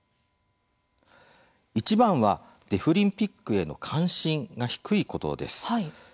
いちばんはデフリンピックへの関心が低いことです。